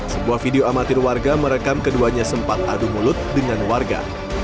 sebuah video amatir warga merekam keduanya sempat adu mulut dengan warga